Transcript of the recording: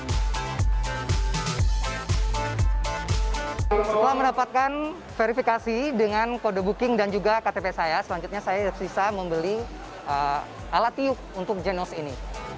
setelah mendapatkan verifikasi dengan kode booking dan juga ktp saya selanjutnya saya bisa membeli alat tiup untuk genos ini